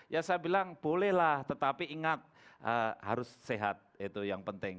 ya saya bilang bolehlah tetapi ingat harus sehat itu yang penting